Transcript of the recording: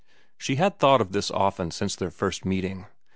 She had thought of this often since their first meeting.